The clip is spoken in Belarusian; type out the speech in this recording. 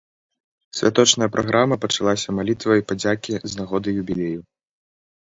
Святочная праграма пачалася малітвай падзякі з нагоды юбілею.